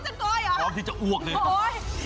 เสร็จมั้ยพร้อมไหมพร้อมยังพร้อมไหม